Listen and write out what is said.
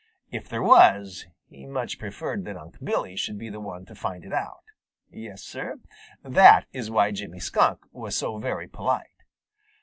If there was, he much preferred that Unc' Billy should be the one to find it out. Yes, Sir, that is why Jimmy Skunk was so very polite.